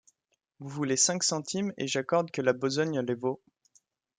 Vous voulez cinq centimes, et j’accorde que la besogne les vaut.